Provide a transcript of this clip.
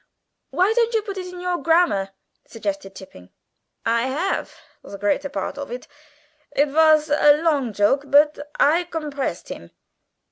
"Why don't you put it in your Grammar?" suggested Tipping. "I haf ze greater part of it (it vas a long choke, but I gompressed him).